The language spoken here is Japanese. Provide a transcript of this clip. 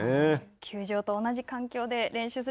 球場と同じ環境で練習する。